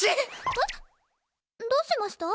へっ？どうしました？